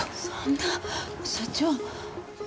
そんな社長。